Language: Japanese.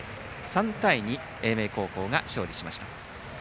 ３対２、英明高校が勝利しました。